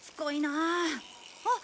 あっ！